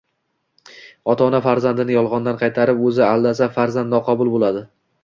Ota-ona farzandini yolg‘ondan qaytarib, o‘zi aldasa, farzand noqobil bo‘ladi.